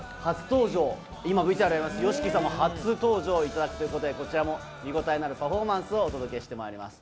なんとＹＯＳＨＩＫＩさんも初登場いただくということで、こちらも見応えのあるパフォーマンスをお届けして参ります。